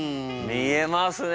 見えますか。